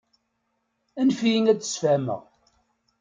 Anef-iyi ad d-sfehmeɣ.